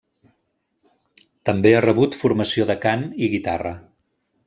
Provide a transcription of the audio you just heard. També ha rebut formació de cant i guitarra.